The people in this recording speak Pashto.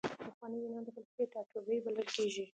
پخوانی یونان د فلسفې ټاټوبی بلل کیږي.